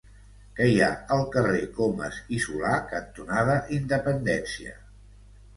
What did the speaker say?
Què hi ha al carrer Comas i Solà cantonada Independència?